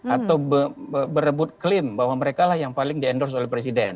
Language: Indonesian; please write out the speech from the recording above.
atau berebut klaim bahwa mereka lah yang paling di endorse oleh presiden